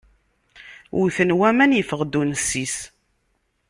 Wwten waman, yeffeɣ-d unsis.